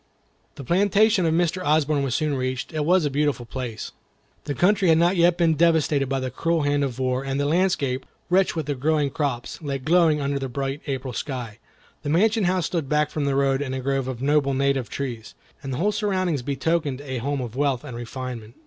The plantation of Mr. Osborne was soon reached. It was a beautiful place. The country had not yet been devastated by the cruel hand of war, and the landscape, rich with the growing crops, lay glowing under the bright April sky. The mansion house stood back from the road in a grove of noble native trees, and the whole surroundings betokened a home of wealth and refinement.